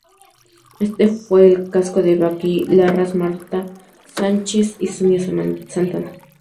Este fue el caso de Vicky Larraz, Marta Sánchez y Sonia Santana.